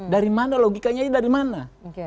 dari mana logikanya ini dari mana